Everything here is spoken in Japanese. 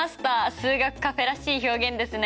数学カフェらしい表現ですね。